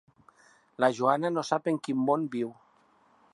La Joana no sap en quin món viu.